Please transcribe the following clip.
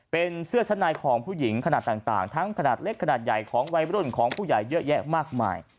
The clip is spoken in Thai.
เป็นเสื้อชั้นในของผู้หญิงขนาดต่างทั้งขนาดเล็กขนาดใหญ่ของวัยรุ่นของผู้ใหญ่เยอะแยะมากมาย